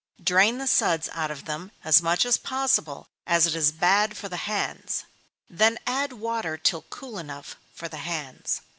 Drain the suds out of them as much as possible, as it is bad for the hands; then add water till cool enough for the hands.